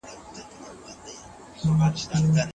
هغه د سالم بحث ملاتړ کاوه.